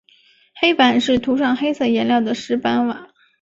黑板是涂上黑色颜料的石板瓦。